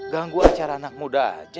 ganggu acara anak muda aja